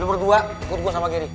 lo berdua ikut gue sama gery